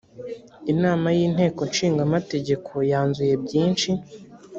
inama y ‘inteko nshingamategeko yanzuye byinshi.